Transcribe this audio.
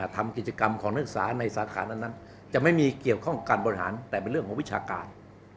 ทำกิจกรรมของนักศึกษาในสาขานั้นจะไม่มีเกี่ยวข้องการบริหารแต่เป็นเรื่องของวิชาการ